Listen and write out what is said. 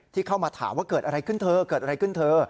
เข้ามาถามว่าเกิดอะไรขึ้นเธอเกิดอะไรขึ้นเธอ